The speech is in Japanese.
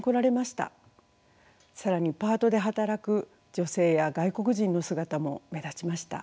更にパートで働く女性や外国人の姿も目立ちました。